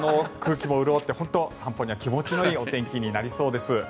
空気も潤って散歩には気持ちのいいお天気になりそうです。